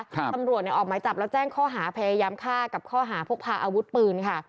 ตำรวจเนี่ยออกหมายจับแล้วแจ้งข้อหาพยายามฆ่ากับข้อหาพกพาอาวุธปืนค่ะ